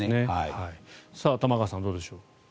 玉川さん、どうでしょう。